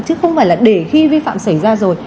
chứ không phải là để khi vi phạm xảy ra rồi